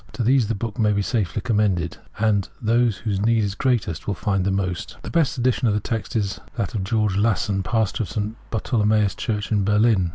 To these the book may be safely commended, and those whose need is greatest will find the most. 'The best edition of the text is that of Georg Lasson, Pastor of St. Bartolemaus Church in Berlin.